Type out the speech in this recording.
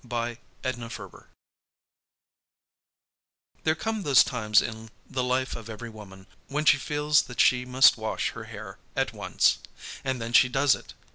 XI SUN DRIED There come those times in the life of every woman when she feels that she must wash her hair at once. And then she does it.